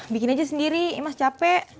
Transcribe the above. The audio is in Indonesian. bikin aja sendiri imas capek